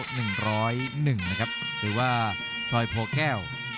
หรือว่าซอยโพแก้ว